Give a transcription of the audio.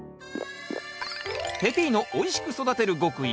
ペピーノおいしく育てる極意